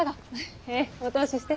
えぇお通しして。